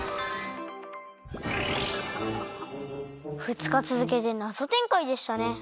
ふつかつづけてナゾてんかいでしたね。